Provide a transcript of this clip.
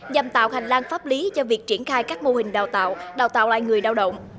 nhằm tạo hành lang pháp lý cho việc triển khai các mô hình đào tạo đào tạo lại người lao động